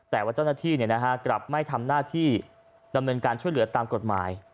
แต่ว่าเจ้าหน้าที่กลับไม่ทำหน้าที่ดำเนินการช่วยเหลือตามกฎหมาย